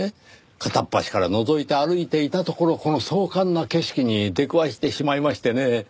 片っ端からのぞいて歩いていたところこの壮観な景色に出くわしてしまいましてねぇ。